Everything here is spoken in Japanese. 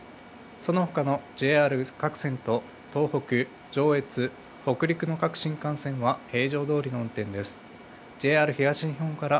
そのほかのＪＲ各線と東北、上越、北陸の各新幹線は平常どおりの運転です。